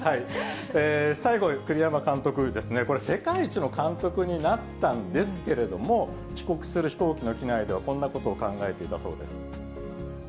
最後、栗山監督ですね、これ、世界一の監督になったんですけれども、帰国する飛行機の機内では、こんなことを考えていたそうです。